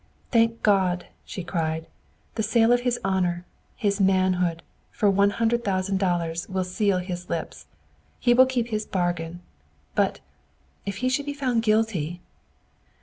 "Thank God!" she cried. "The sale of his honor, his manhood, for one hundred thousand dollars will seal his lips. He will keep his bargain; but, if he should be found guilty?"